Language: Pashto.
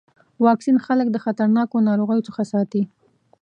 واکسین خلک د خطرناکو ناروغیو څخه ساتي.